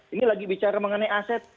ini lagi bicara mengenai aset